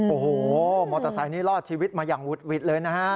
โอ้โหมอเตอร์ไซค์นี้รอดชีวิตมาอย่างวุดวิดเลยนะฮะ